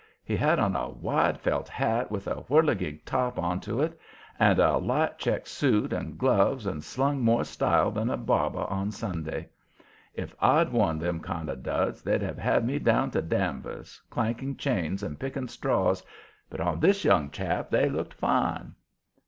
He had on a wide, felt hat, with a whirligig top onto it, and a light checked suit, and gloves, and slung more style than a barber on Sunday. If I'D wore them kind of duds they'd have had me down to Danvers, clanking chains and picking straws, but on this young chap they looked fine.